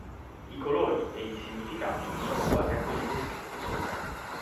I colori e i significati sono uguali a quelli descritti sopra.